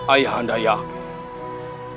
ayah anda yakin